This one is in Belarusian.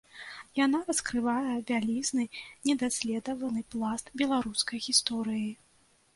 Яна раскрывае вялізны недаследаваны пласт беларускай гісторыі.